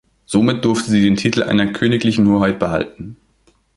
Somit durfte sie den Titel einer Königlichen Hoheit behalten.